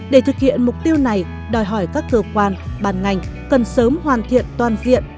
để thực hiện mục tiêu này đòi hỏi các cơ quan bàn ngành cần sớm hoàn thiện toàn diện